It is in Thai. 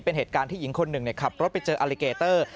เป็นเหตุการณ์ที่หญิงคนหนึ่งขับรถไปเจออลิเกเตอร์